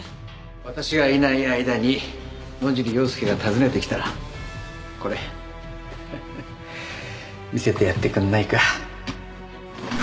私がいない間に野尻要介が訪ねてきたらこれフフッ見せてやってくれないか。